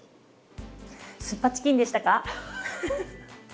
酢っぱチキンでしたか？